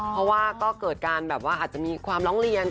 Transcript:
เพราะว่าก็เกิดการแบบว่าอาจจะมีความร้องเรียน